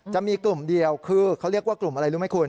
จะมีกลุ่มเดียวคือเขาเรียกว่ากลุ่มอะไรรู้ไหมคุณ